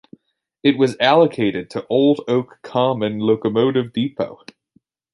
It was allocated to Old Oak Common locomotive depot.